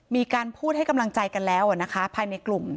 มีการพูดให้กำลังใจกันแล้วนะคะภายในกลุ่ม